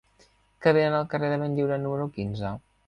Què venen al carrer de Benlliure número quinze?